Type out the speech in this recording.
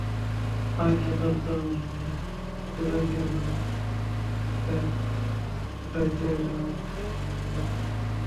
প্রায় একক প্রতিভায় তিনি বাংলা সাহিত্যকে পৌঁছে দিয়েছেন বিশ্বসাহিত্যের মর্যাদাপূর্ণ আসনে।